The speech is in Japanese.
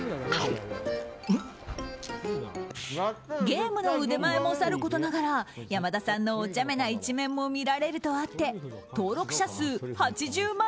ゲームの腕前もさることながら山田さんのおちゃめな一面も見られるとあって登録者数８０万